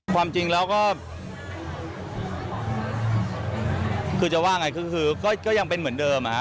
ความจริงแล้วก็คือจะว่าไงคือก็ยังเป็นเหมือนเดิม